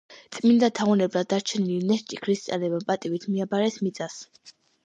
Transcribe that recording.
წმიდანთა უვნებლად დარჩენილი ნეშტი ქრისტიანებმა პატივით მიაბარეს მიწას.